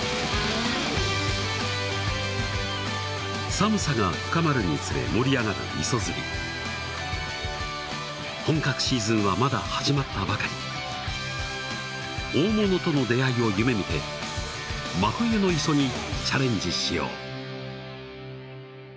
寒さが深まるにつれ盛り上がる磯釣り本格シーズンはまだ始まったばかり大物との出会いを夢見て真冬の磯にチャレンジしよう！